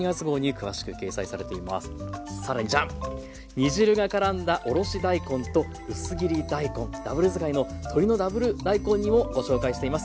煮汁が絡んだおろし大根と薄切り大根ダブル使いの「鶏のダブル大根煮」もご紹介しています。